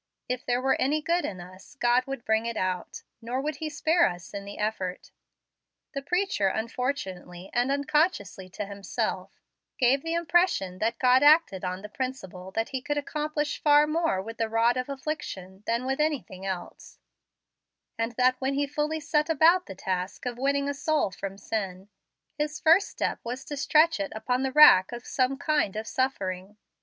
If there were any good in us, God would bring it out, nor would He spare us in the effort. The preacher, unfortunately and unconsciously to himself, gave the impression that God acted on the principle that He could accomplish far more with the rod of affliction than with anything else, and that when He fully set about the task of winning a soul from sin, His first step was to stretch it upon the rack of some kind of suffering.